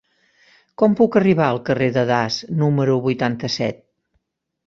Com puc arribar al carrer de Das número vuitanta-set?